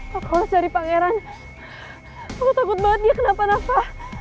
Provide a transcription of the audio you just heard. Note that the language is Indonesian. kalau lo cari pangeran aku takut banget dia kenapa napa